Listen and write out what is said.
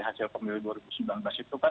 hasil pemilih dua ribu sembilan belas itu kan